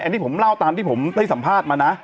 อันนี้ผมเล่าตามที่ผมได้สัมภาษณ์มานะ